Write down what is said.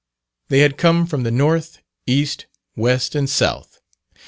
They had come from the North, East, West, and South.